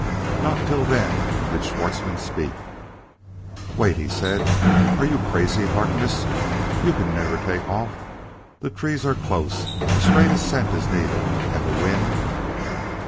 Not till then did Schwartzmann speak. "Wait," he said. "Are you crazy, Harkness? You can never take off; the trees are close; a straight ascent is needed. And the wind